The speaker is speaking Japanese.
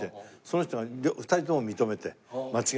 その人が２人とも認めて間違いないと。